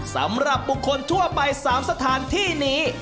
สำหรับบุคคลทั่วไป๓สถานที่นี้